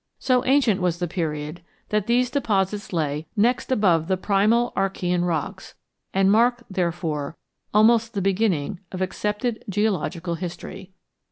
So ancient was the period that these deposits lay next above the primal Archean rocks, and marked, therefore, almost the beginning of accepted geological history.